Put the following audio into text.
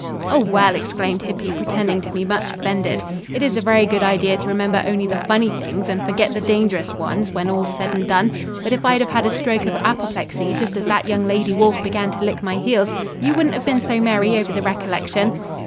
"Oh, well," exclaimed Hippy, pretending to be much offended, "it is a very good idea to remember only the funny things and forget the dangerous ones, when all's said and done. But if I'd have had a stroke of apoplexy just as that young lady wolf began to lick my heels, you wouldn't have been so merry over the recollection."